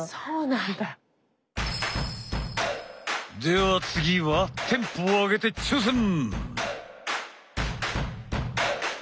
では次はテンポを上げて挑戦！